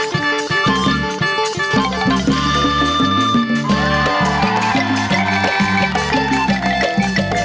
กลับมาที่สุดท้าย